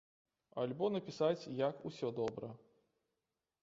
Альбо напісаць, як усё добра.